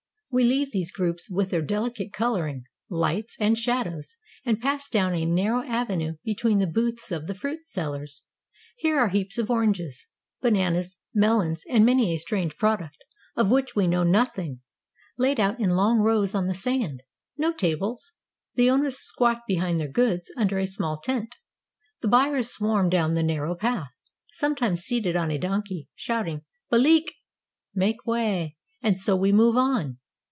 We leave these groups, with their delicate coloring, lights, and shadows, and pass down a narrow avenue between the booths of the fruit sellers. Here are heaps of oranges, bananas, melons, and many a strange product of which we know nothing, laid out in long rows on the sand: no tables! The owners squat behind their goods under a small tent. The buyers swarm down the narrow path, sometimes seated on a donkey, shouting "Balek" — make way. And so we move on.